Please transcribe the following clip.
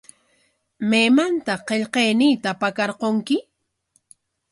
¿Maymantaq qillqayniita pakarqurki?